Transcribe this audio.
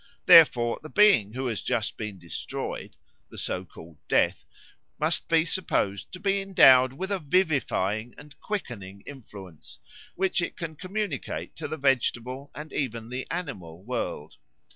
Therefore the being which has just been destroyed the so called Death must be supposed to be endowed with a vivifying and quickening influence, which it can communicate to the vegetable and even the animal world.